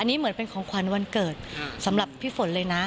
อันนี้เหมือนเป็นของขวัญวันเกิดสำหรับพี่ฝนเลยนะ